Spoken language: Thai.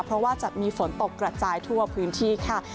เพราะว่าจะมีฝนตกกระจายทั่วพื้นที่ค่ะ